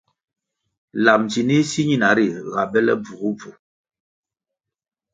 Lab ndzinih si ñina ri ga bele bvugubvu.